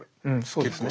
そうですね。